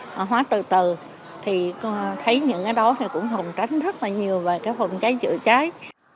họ hóa từ từ thì thấy những cái đó cũng hồng tránh rất là nhiều về cái phòng trái chữa trái